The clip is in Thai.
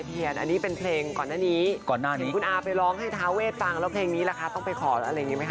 เห็นคุณอาไปร้องให้ท้าเวทฟังแล้วเพลงนี้แหละคะต้องไปขออะไรอย่างนี้ไหมคะ